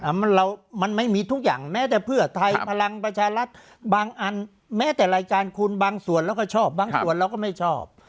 มันเรามันไม่มีทุกอย่างแม้แต่เพื่อไทยพลังประชารัฐบางอันแม้แต่รายการคุณบางส่วนเราก็ชอบบางส่วนเราก็ไม่ชอบ